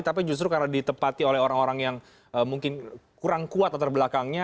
tapi justru karena ditempati oleh orang orang yang mungkin kurang kuat latar belakangnya